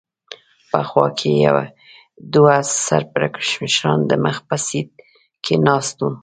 په خوا کې یې دوه سر پړکمشران د مخ په سېټ کې ناست و.